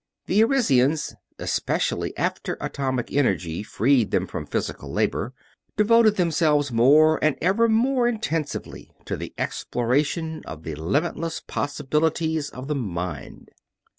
The Arisians especially after atomic energy freed them from physical labor devoted themselves more and ever more intensively to the exploration of the limitless possibilities of the mind.